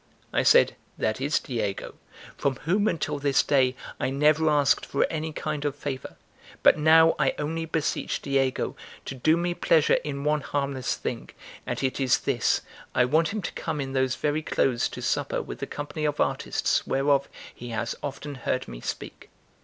I said: "That is Diego, from whom until this day I never asked for any kind of favour; but now I only beseech Diego to do me pleasure in one harmless thing; and it is this I want him to come in those very clothes to supper with the company of artists whereof he has often heard me speak."